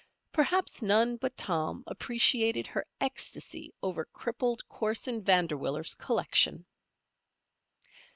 Perhaps none but Tom appreciated her ecstasy over crippled Corson Vanderwiller's collection.